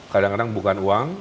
kadang kadang bukan uang